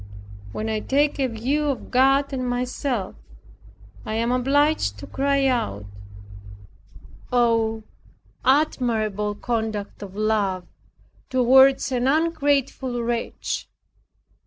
When I take a view of God, and myself, I am obliged to cry out, "Oh, admirable conduct of Love toward an ungrateful wretch!